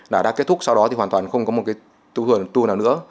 đã kết thúc sau đó thì hoàn toàn không có một cái tour nào nữa